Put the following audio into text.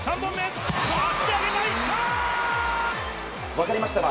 分かりましたか？